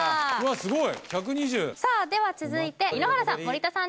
すごい１２０さあでは続いて井ノ原さん森田さん